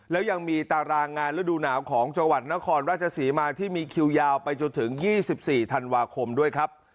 แล้วยังมีตารางงานฤดูหนาวของจังหวัดนครราชศรีมาที่มีคิวยาวไปจนถึง๒๔ธันวาคมด้วยครับ